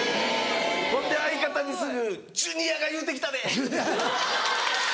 ほんで相方にすぐ「ジュニアが言うてきたで！」。